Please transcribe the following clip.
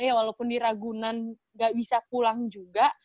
eh walaupun di ragunan gak bisa pulang juga